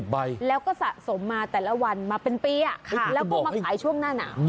ใบแล้วก็สะสมมาแต่ละวันมาเป็นปีแล้วก็มาขายช่วงหน้าหนาว